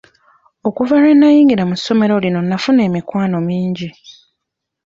Okuva lwe nayingira mu ssomero lino nafuna emikwano mingi.